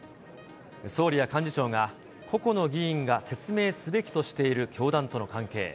総理や幹事長が、個々の議員が説明すべきとしている教団との関係。